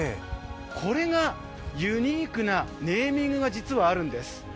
これがユニークなネーミングが実はあるんです。